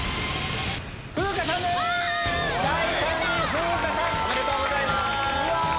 風花さんおめでとうございます！